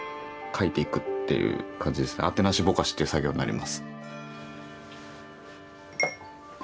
「あてなしぼかし」っていう作業になります。